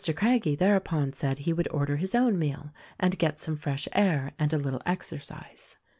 Craggie thereupon said he would order his own meal and get some fresh air and a little exercise.